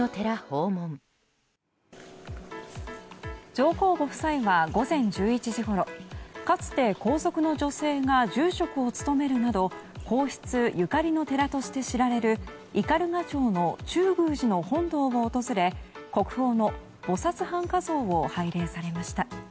上皇ご夫妻は午前１１時ごろかつて皇族の女性が住職を務めるなど皇室ゆかりの寺として知られる斑鳩町の中宮寺の本堂を訪れ国宝の菩薩半跏像を拝礼されました。